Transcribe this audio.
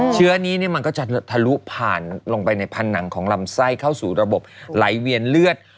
เชื้อนี้มันก็จะทะลุผ่านลงไปในผนังของลำไส้เข้าสู่ระบบไหลเวียนเลือด